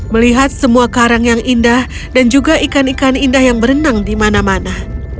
melihat semua karang yang indah dan juga ikan ikan indah yang berenang di mana mana